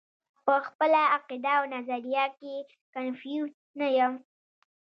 پۀ خپله عقيده او نظريه کښې کنفيوز نۀ يم -